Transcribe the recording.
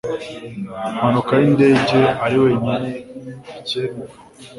mpanuka y indege ari wenyine nticyemewe